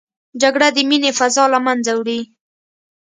جګړه د مینې فضا له منځه وړي